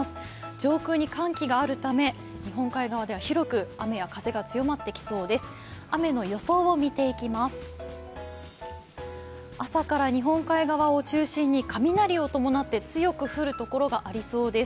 上空に寒気があるため日本海側では広く雨や風が強まってきそうです。